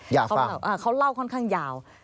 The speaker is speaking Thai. อยากฟังเขาเล่าค่อนข้างยาว